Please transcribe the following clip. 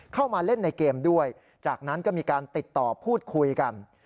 เข้ามาเล่นในเกมด้วยจากนั้นก็มีการติดต่อพูดคุยกัน